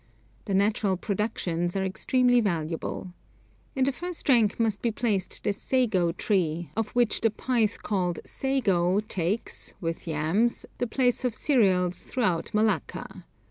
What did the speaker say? The natural productions are extremely valuable. In the first rank must be placed the sago tree, of which the pith called sago takes, with yams, the place of cereals throughout Malacca.